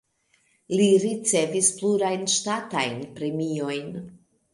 Li ricevis plurajn ŝtatajn premiojn.